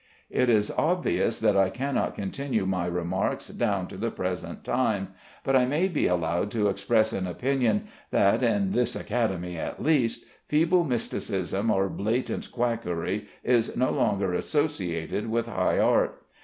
It is obvious that I cannot continue my remarks down to the present time, but I may be allowed to express an opinion that (in this Academy at least) feeble mysticism or blatant quackery is no longer associated with high art.